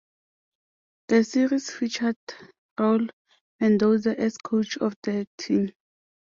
The series featured Raul Mendoza as coach of the team.